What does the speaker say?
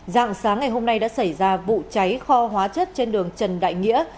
dạng sáng ngày hôm nay đã xảy ra vụ cháy kho hóa chất trên đường trần đại nghĩa